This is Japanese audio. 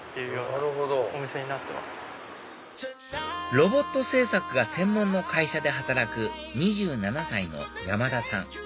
ロボット製作が専門の会社で働く２７歳の山田さん